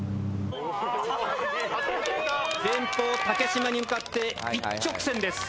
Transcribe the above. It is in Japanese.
前方多景島に向かって一直線です。